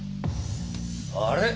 あれ？